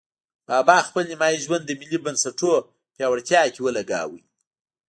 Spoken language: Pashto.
بابا خپل نیمایي ژوند د ملي بنسټونو پیاوړتیا کې ولګاوه.